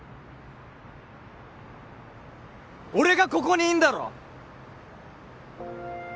俺がここにいんだろ！